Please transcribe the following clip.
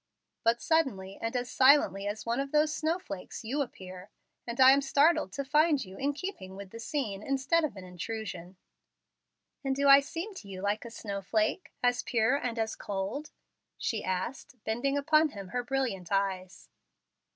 But suddenly, and as silently as one of those snow flakes, you appear, and I am startled to find you in keeping with the scene, instead of an intrusion." "And do I seem to you like a snow flake as pure and as cold?" she asked, bending upon him her brilliant eyes.